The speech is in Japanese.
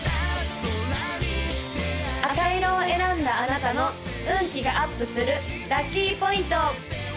赤色を選んだあなたの運気がアップするラッキーポイント！